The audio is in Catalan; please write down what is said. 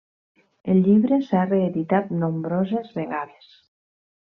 El llibre s'ha reeditat nombroses vegades.